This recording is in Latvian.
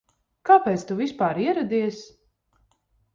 Kāpēc tu vispār ieradies?